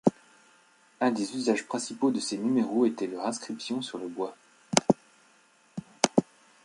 Un des usages principaux de ces numéraux était leur inscription sur le bois.